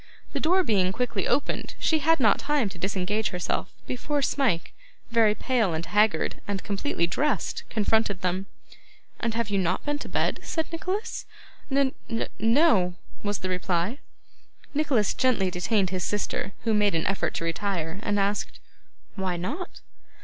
The door being quickly opened, she had not time to disengage herself, before Smike, very pale and haggard, and completely dressed, confronted them. 'And have you not been to bed?' said Nicholas. 'N n no,' was the reply. Nicholas gently detained his sister, who made an effort to retire; and asked, 'Why not?